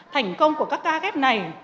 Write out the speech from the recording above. thành công của các ca ghép này